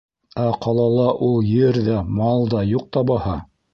Ә ҡалала ул ер ҙә, мал да юҡ та баһа.